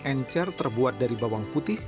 encer terbuat dari bawang putih